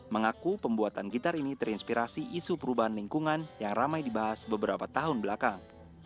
mengaku pembuatan gitar ini terinspirasi isu perubahan lingkungan yang ramai dibahas beberapa tahun belakang